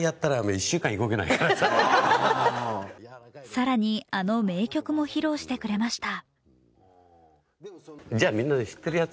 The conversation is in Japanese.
更に、あの名曲も披露してくれました。